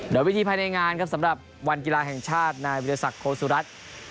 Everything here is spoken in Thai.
โดยวิธีภายในงานครับสำหรับวันกีฬาแห่งชาตินายวิทยาศักดิ์โคสุรัตน์